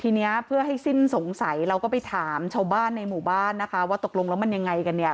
ทีนี้เพื่อให้สิ้นสงสัยเราก็ไปถามชาวบ้านในหมู่บ้านนะคะว่าตกลงแล้วมันยังไงกันเนี่ย